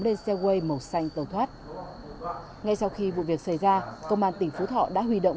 lên xe way màu xanh tàu thoát ngay sau khi vụ việc xảy ra công an tỉnh phú thọ đã huy động